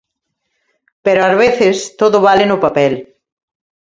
Pero ás veces todo vale no papel.